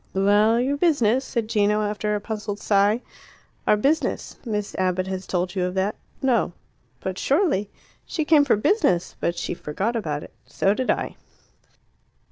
"Well, your business," said Gino, after a puzzled sigh. "Our business Miss Abbott has told you of that." "No." "But surely " "She came for business. But she forgot about it; so did I."